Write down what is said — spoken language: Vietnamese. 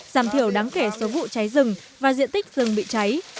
giảm thiểu đáng kể số vụ cháy rừng và diện tích rừng bị cháy